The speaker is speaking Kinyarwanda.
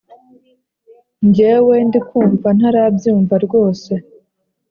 Njyewe ndikumva ntarabyumva rwose